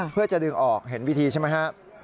เพื่อจะดึงออกเห็นวิธีใช่ไหมครับ